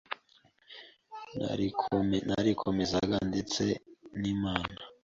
narikomezaga ndetse n’Imana